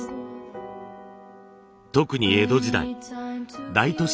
特に江戸時代大都市